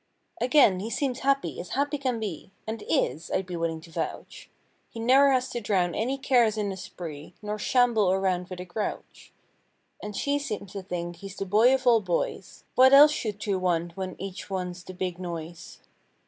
Again, he seems happy as happy can be; And is. I'd be willing to vouch. He ne'er has to drown any cares in a spree. Nor shamble around with a grouch. And she seems to think he's the "boy of all boys"— What else should two want when each one's the "big noise?"